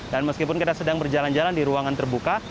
dan meskipun kita sedang berjalan jalan di ruangan terbuka